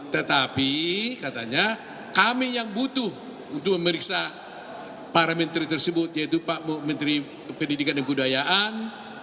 tetapi katanya kami yang butuh untuk memeriksa para menteri tersebut yaitu pak menteri pendidikan dan budayaan